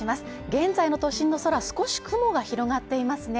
現在の都心の空少し雲が広がっていますね。